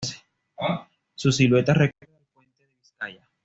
Su silueta recuerda al puente de Vizcaya.